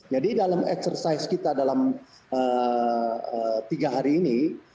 jadi dalam eksersis kita dalam tiga hari ini